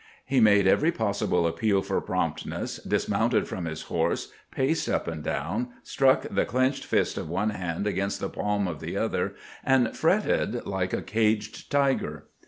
He made every possible appeal for promptness, dismounted from his horse, paced up and down, struck the clenched fist of one hand against the palm of the other, and fretted like a caged tiger.